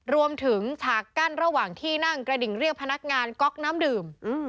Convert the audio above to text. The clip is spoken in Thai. ฉากกั้นระหว่างที่นั่งกระดิ่งเรียกพนักงานก๊อกน้ำดื่ม